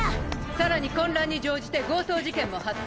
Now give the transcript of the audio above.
さらに混乱に乗じて強盗事件も発生。